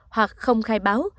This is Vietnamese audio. hoặc không khai báo